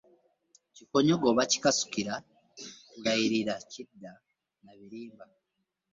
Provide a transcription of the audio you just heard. Kikonyogo bakikasukira kulaalira kidda na birimba.